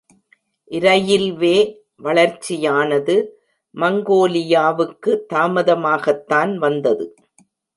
Railway வளர்ச்சியானது மங்கோலியாவுக்கு தாமதமாகத்தான் வந்தது.